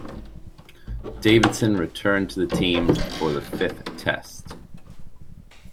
Davidson returned to the team for the Fifth Test.